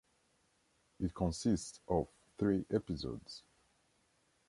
It consists of three episodes.